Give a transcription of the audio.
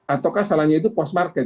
ataukah salahnya itu post market